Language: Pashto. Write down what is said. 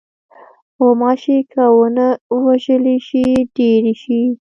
غوماشې که ونه وژلې شي، ډېرې شي.